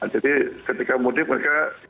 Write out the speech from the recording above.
jadi ketika mudik mereka